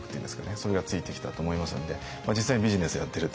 それがついてきたと思いますので実際にビジネスをやっていると